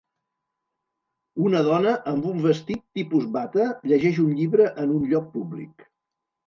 Una dona amb un vestit tipus bata llegeix un llibre en un lloc públic.